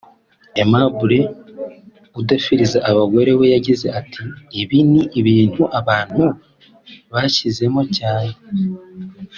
Aimable udefiriza abagore we yagize ati “Ibi ni ibintu abantu bishyizemo cyane